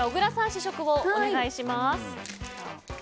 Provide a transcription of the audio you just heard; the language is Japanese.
試食お願いします。